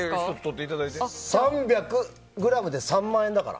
３００ｇで３万円だから。